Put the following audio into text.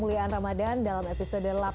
melapar tentu lebih brazil lah